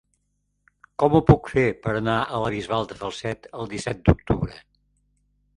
Com ho puc fer per anar a la Bisbal de Falset el disset d'octubre?